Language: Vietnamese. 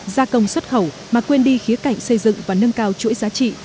gia công xuất khẩu mà quên đi khía cạnh xây dựng và nâng cao chuỗi giá trị